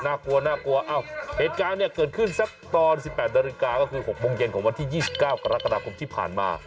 น่ากลัวน่ากลัวเอ้าเหตุการณ์เนี้ยเกิดขึ้นสักตอนสิบแปดนาฬิกาก็คือหกโมงเย็นของวันที่ยี่สิบเก้ากรกฎาคมที่ผ่านมา